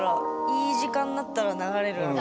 いい時間なったら流れるあの。